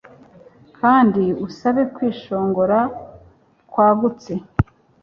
Kandi usabe kwishongora kwagutse